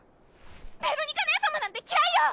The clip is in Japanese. ベロニカ姉様なんて嫌いよ！